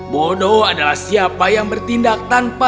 bodoh adalah siapa yang bertindak tanpa tahu kebenarannya